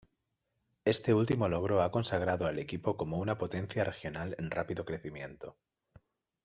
Este último logro ha consagrado al equipo como una potencia regional en rápido crecimiento.